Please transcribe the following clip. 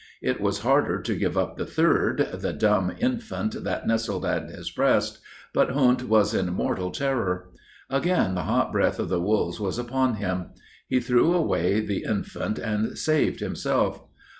It was harder to give up the third the dumb infant that nestled in his breast, but Hund was in mortal terror. Again the hot breath of the wolves was upon him. He threw a way the infant and saved himself.